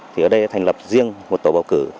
thì ở đây đã thành lập riêng một tổ bầu cử